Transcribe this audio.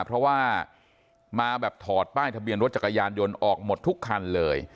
เพราะว่ามาแบบถอดป้ายทะเบียนรถจักรยานยนต์ออกหมดทุกคันเลย